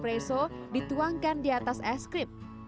terakhir satu shot espresso dituangkan di atas ice cream